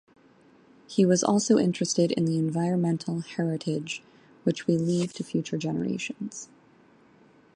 He was also interested in the environmental heritage which we leave to future generations.